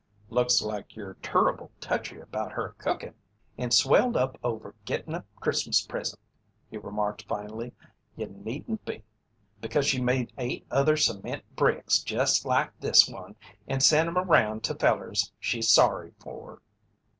"Looks like you're turrible touchy about her cookin', and swelled up over gittin' a Christmas present," he remarked, finally. "You needn't be, because she made eight other cement bricks jest like this one and sent 'em around to fellers she's sorry for."